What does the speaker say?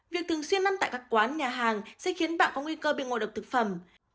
việc thường xuyên ăn tại các quán nhà hàng sẽ khiến bạn có nguy cơ bị ngộ độc thực phẩm